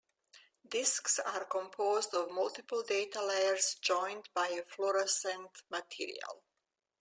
Discs are composed of multiple data layers joined by a fluorescent material.